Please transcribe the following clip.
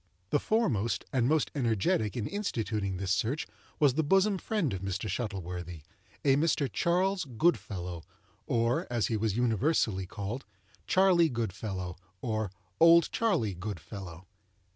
The foremost and most energetic in instituting this search was the bosom friend of Mr. Shuttleworthy—a Mr. Charles Goodfellow, or, as he was universally called, "Charley Goodfellow," or "Old Charley Goodfellow."